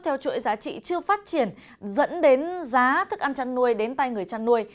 theo chuỗi giá trị chưa phát triển dẫn đến giá thức ăn chăn nuôi đến tay người chăn nuôi